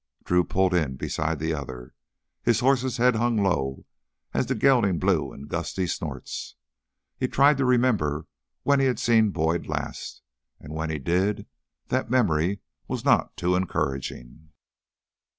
Drew pulled in beside the other. His horse's head hung low as the gelding blew in gusty snorts. He tried to remember when he had seen Boyd last and when he did, that memory was not too encouraging.